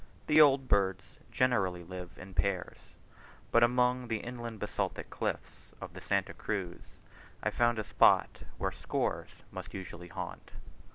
The old birds generally live in pairs; but among the inland basaltic cliffs of the Santa Cruz, I found a spot, where scores must usually haunt.